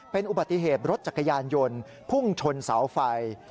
เป็นอุบัติเหตุรถจักรยานยนต์พุ่งชนเสาไฟ